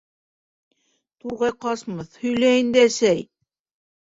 Турғай ҡасмаҫ, һөйлә инде, әсәй!..